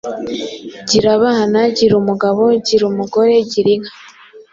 Gira abana, gira umugabo, gira umugore, gira inka”